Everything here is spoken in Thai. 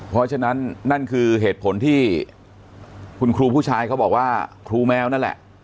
เพราะฉะนั้นนั่นคือเหตุผลที่คุณครูผู้ชายเขาบอกว่าครูแมวนั่นแหละ